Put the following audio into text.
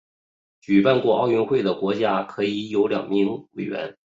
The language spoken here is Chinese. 举办过奥运会的国家可以有两名委员。